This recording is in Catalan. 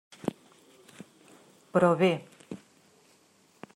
Però bé.